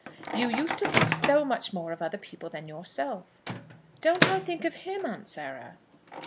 "You used to think so much more of other people than yourself." "Don't I think of him, Aunt Sarah?"